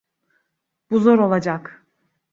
Bu zor olacak.